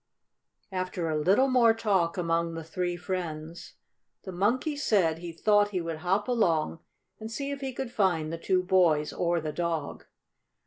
After a little more talk among the three friends, the Monkey said he thought he would hop along and see if he could find the two boys or the dog.